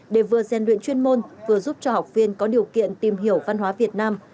để vừa gian luyện chuyên môn vừa giúp cho học viên có điều kiện tìm hiểu văn hóa việt nam